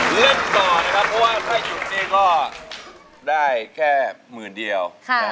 เล่นต่อนะครับเพราะว่าถ้าหยุดนี้ก็ได้แค่หมื่นเดียว